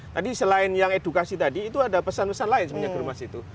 tadi selain yang edukasi tadi itu ada pesan pesan lain sebenarnya germas itu